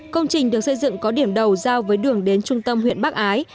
công trình được xây dựng có điểm đầu giao với đường đến trung tâm huyện bắc ái